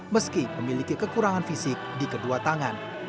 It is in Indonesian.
meski memiliki kekurangan fisik di kedua tangan